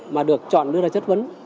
mà được chọn đưa ra chất vấn